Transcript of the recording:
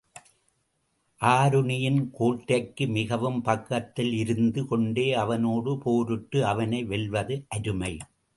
ஆருணியின் கோட்டைக்கு மிகவும் பக்கத்தில் இருந்து கொண்டே அவனோடு போரிட்டு அவனை வெல்வது அருமை.